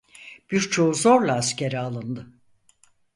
Birçoğu zorla askere alındı.